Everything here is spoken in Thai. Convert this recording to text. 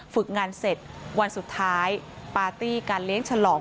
ฝึกงานเสร็จวันสุดท้ายปาร์ตี้การเลี้ยงฉลอง